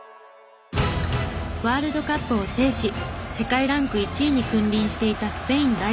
ワールドカップを制し世界ランク１位に君臨していたスペイン代表。